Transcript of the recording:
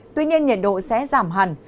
tuy nhiên nhiệt độ sẽ giảm hẳn